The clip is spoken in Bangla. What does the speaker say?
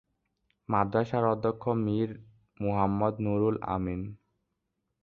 মাদ্রাসার অধ্যক্ষ মীর মুহাম্মদ নুরুল আমিন।